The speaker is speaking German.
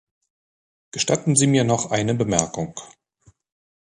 Gestatten Sie mir noch eine Bemerkung.